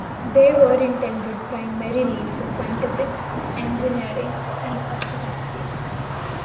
They were intended primarily for scientific, engineering and office applications.